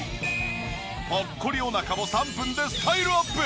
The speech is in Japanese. ポッコリおなかも３分でスタイルアップ！